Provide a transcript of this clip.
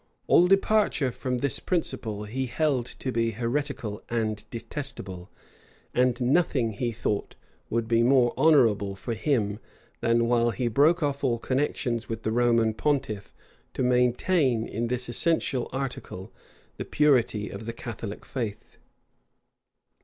All departure from this principle he held to be heretical and detestable; and nothing, he thought, would be more honorable for him, than, while he broke off all connections with the Roman pontiff, to maintain, in this essential article, the purity of the Catholic faith.